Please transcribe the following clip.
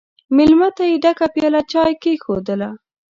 مېلمه ته یې ډکه پیاله چای کښېښودله!